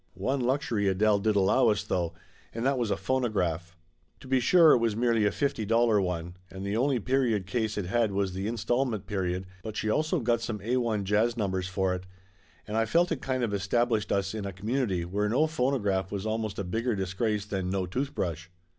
One luxury Adele did allow us, though; and that was a phonograph. To be sure it was merely a fifty dollar one, and the only period case it had was the Install ment Period, but she got also some Ai jazz numbers for it, and I felt it kind of established us in a com munity where no phonograph was almost a bigger dis grace than no toothbrush.